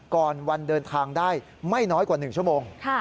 ก่อนวันเดินทางได้ไม่น้อยกว่า๑ชั่วโมง